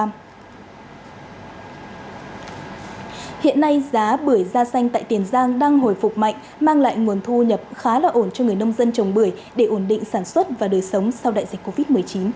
hiện nay giá bưởi da xanh tại tiền giang đang hồi phục mạnh mang lại nguồn thu nhập khá là ổn cho người nông dân trồng bưởi để ổn định sản xuất và đời sống sau đại dịch covid một mươi chín